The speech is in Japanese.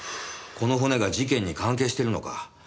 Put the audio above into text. この骨が事件に関係してるのか。